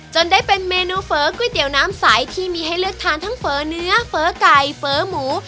จนได้เป็นเมนูเฟอร์ก๋วยเตี๋ยวน้ำสายที่มีให้เลือกทานทั้งเฟอร์เนื้อเฟอร์ไก่เฟอร์หมู